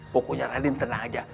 pokoknya raden tenang saja